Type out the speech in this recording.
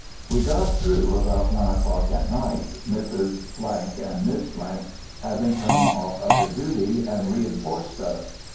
We got through about one o'clock at night, Mrs. —— and Miss —— having come off other duty, and reinforced us.